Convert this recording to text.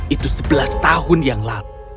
itu sebelas tahun yang lalu